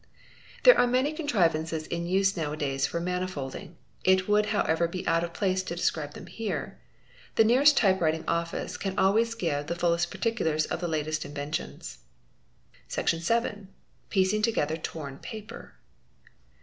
There are many contrivances in use now a days for manifolding ; it would however be but of place to describe them here. 'The nearest type writing office can always give the fullest particulars of the latest inven tions 812), Section vii— Piecing together torn paper.